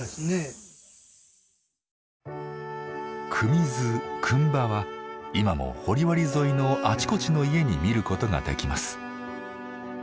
「汲水場・くんば」は今も掘割沿いのあちこちの家に見ることができます。